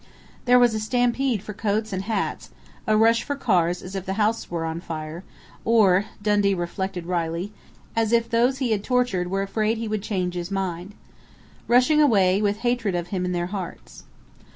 There was a stampede for coats and hats, a rush for cars as if the house were on fire, or Dundee reflected wryly as if those he had tortured were afraid he would change his mind. Rushing away with hatred of him in their hearts....